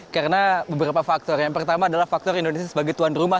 karena beberapa faktor yang pertama adalah faktor indonesia sebagai tuan rumah